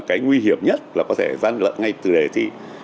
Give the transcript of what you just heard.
cái nguy hiểm nhất là có thể gian lận ngay từ đề thi